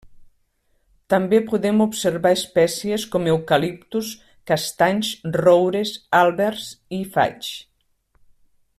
També podem observar espècies com eucaliptus, castanys, roures, àlbers i faigs.